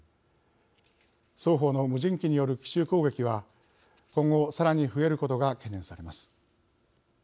双方の無人機による奇襲攻撃は今後、さらに増えることが懸念されます。